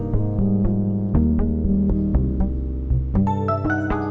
semua kumpul di belakang